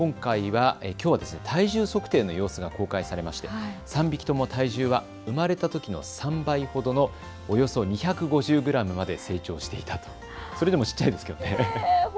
きょうは体重測定の様子が公開されまして３匹とも体重は生まれたときの３倍ほどのおよそ２５０グラムまで成長していたと、それでも小さいですけれどね。